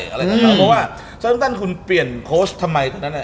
เพราะเซาต์น้ำตั้นเปลี่ยนโค้ชทำไม